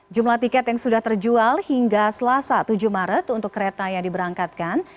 jumlah tiket yang sudah terjual hingga selasa tujuh maret untuk kereta yang diberangkatkan